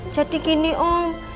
jadi gini om